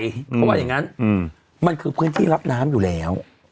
เพราะว่าอย่างนั้นมันคือพื้นที่รับน้ำอยู่แล้ว